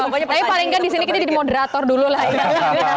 tapi paling nggak di sini kita jadi moderator dulu lah indahnya